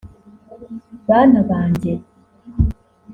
“Bana banjye